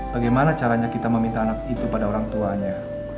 bagaimana caranya kita meminta anak itu pada orang tuanya